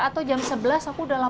atau jam sebelas aku udah lama